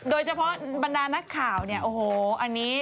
โดยเฉพาะบรรดานักข่าวเนี่ยโอ้โหอันนี้มากมาย